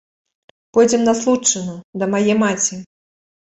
- Пойдзем на Случчыну, да мае мацi.